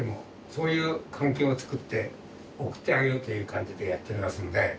そういう環境をつくって送ってあげようという感じでやっておりますんで。